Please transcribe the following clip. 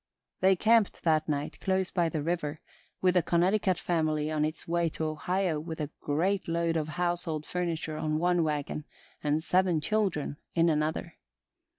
They camped that night, close by the river, with a Connecticut family on its way to Ohio with a great load of household furniture on one wagon and seven children in another.